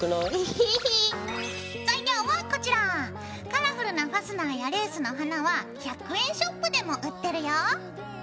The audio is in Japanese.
カラフルなファスナーやレースの花は１００円ショップでも売ってるよ。